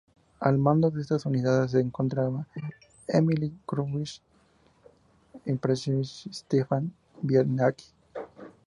Al mando de estas unidades se encontraban Emil Krukowicz-Przedrzymirski y Stefan Dąb-Biernacki.